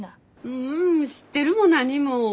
うん知ってるも何も。